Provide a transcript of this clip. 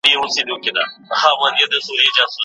حکومت د سړکونو د رغولو ژمنه کړې ده.